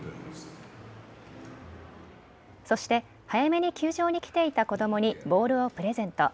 そして早めに球場に来ていた子どもにボールをプレゼント。